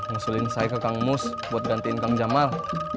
ngusulin saya ke kang mus buat gantiin kang jamal